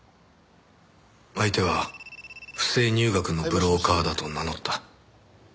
相手は不正入学のブローカーだと名乗った。